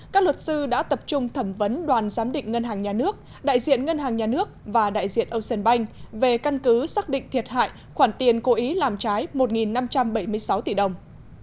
các luật sư đã tập trung thẩm vấn đoàn giám định ngân hàng nhà nước đại diện ngân hàng nhà nước và đại diện ocean bank về căn cứ xác định thiệt hại khoản tiền cố ý làm trái một năm trăm bảy mươi sáu tỷ đồng